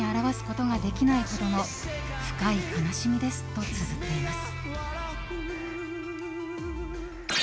と、つづっています。